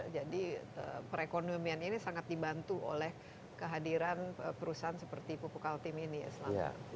jadi perekonomian ini sangat dibantu oleh kehadiran perusahaan seperti pupuk altim ini ya selama ini